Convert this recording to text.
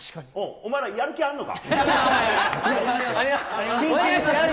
お前ら、やる気あんのか？